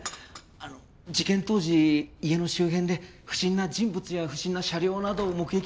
あの事件当時家の周辺で不審な人物や不審な車両などを目撃しませんでしたか？